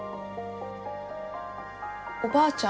おばあちゃん。